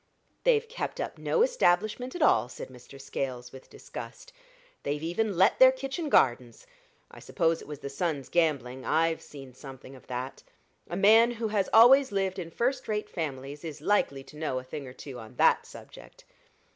"They've kept up no establishment at all," said Mr. Scales, with disgust. "They've even let their kitchen gardens. I suppose it was the son's gambling. I've seen something of that. A man who has always lived in first rate families is likely to know a thing or two on that subject."